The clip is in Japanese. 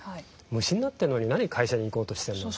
「虫になってるのに何会社に行こうとしてるの？」と。